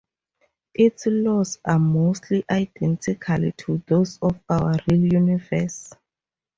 Its laws are mostly identical to those of our real universe.